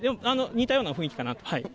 似たような雰囲気かなと。